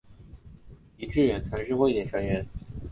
狄志远曾是汇点成员。